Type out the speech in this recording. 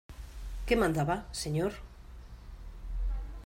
¿ qué mandaba, señor?